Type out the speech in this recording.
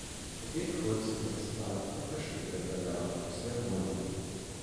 Er geht kurz in das Bad und verschwindet danach aus der Wohnung.